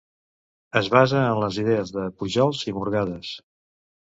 Es basa en les idees de Pujols i Morgades.